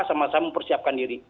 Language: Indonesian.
sama sama persiapkan diri